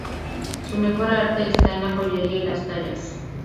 Su mejor arte está en la joyería y las tallas.